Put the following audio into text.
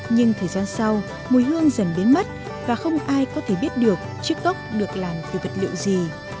nhưng thời gian sau mùi hương dần biến mất và không ai có thể biết được chiếc gốc được làm từ vật liệu gì